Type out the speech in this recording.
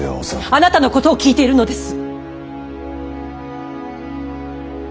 あなたのことを聞いているのです！